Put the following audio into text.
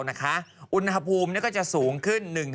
นะคะอุณหภูมิเนี่ยก็จะสูงขึ้น